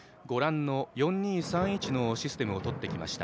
４−２−３−１のシステムをとってきました。